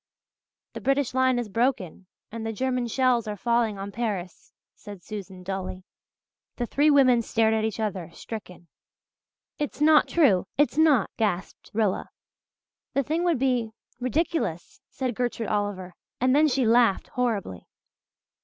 "The British line is broken and the German shells are falling on Paris," said Susan dully. The three women stared at each other, stricken. "It's not true it's not," gasped Rilla. "The thing would be ridiculous," said Gertrude Oliver and then she laughed horribly.